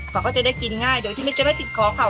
ปลาก็จะได้กินง่ายโดยที่ไม่ได้ติดขอเข่า